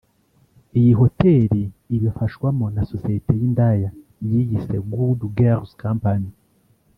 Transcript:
Iyi hoteli ibifashwamo na sosiyete y’indaya ziyise Good Girls Company